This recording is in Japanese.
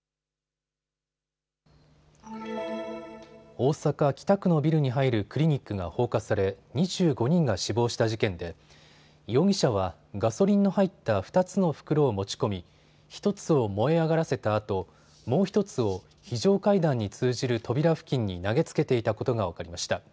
大阪北区のビルに入るクリニックが放火され２５人が死亡した事件で容疑者はガソリンの入った２つの袋を持ち込み、１つを燃え上がらせたあともう１つを非常階段に通じる扉付近に投げつけていたことが分かりました。